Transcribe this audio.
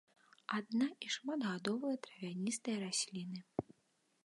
Адна- і шматгадовыя травяністыя расліны.